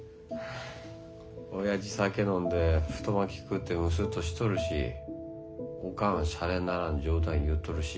おやじ酒飲んで太巻き食うてムスッとしとるしおかんシャレにならん冗談言うとるし。